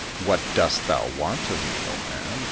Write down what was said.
—'* What dost thou want of me, O man